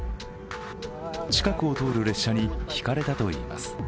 近くを通る列車にひかれたといいます。